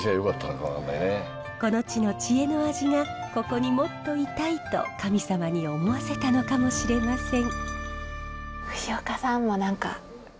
この地の知恵の味がここにもっといたいと神様に思わせたのかもしれません。